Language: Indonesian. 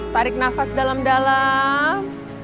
tarik nafas dalam dalam